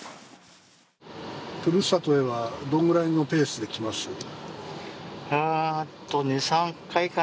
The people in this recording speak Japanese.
ふるさとへはどのぐらいのペースで来ます？